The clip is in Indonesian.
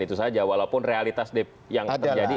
itu saja walaupun realitas yang terjadi